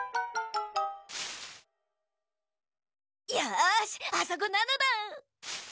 よしあそこなのだ。